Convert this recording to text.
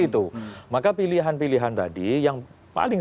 itu maka pilihan pilihan tadi yang paling